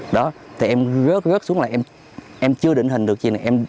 đó thì em rớt rớt xuống là em chưa định hình được gì